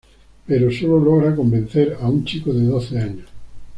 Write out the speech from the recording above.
Pero sólo logra convencer a un chico de doce años.